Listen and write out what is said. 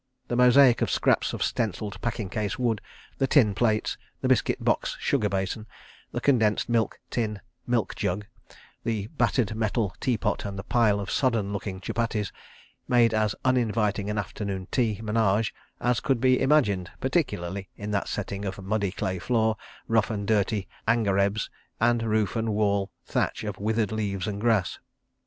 The mosaic of scraps of stencilled packing case wood, the tin plates, the biscuit box "sugar basin," the condensed milk tin "milk jug," the battered metal teapot and the pile of sodden looking chupatties made as uninviting an afternoon tea ménage as could be imagined, particularly in that setting of muddy clay floor, rough and dirty angarebs, and roof and wall thatch of withered leaves and grass.